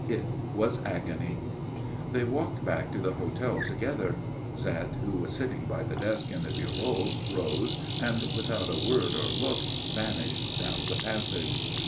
It was agony. They walked back to the hotel together. Zette, who was sitting by the desk in the bureau, rose and, without a word or look, vanished down the passage.